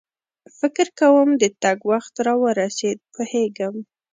فکر کوم د تګ وخت را ورسېد، پوهېږم.